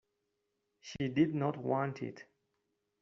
She did not want it.